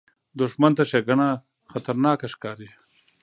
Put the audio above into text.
دښمن ته ښېګڼه خطرناکه ښکاري